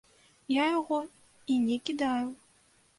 Я яго і не кідаю.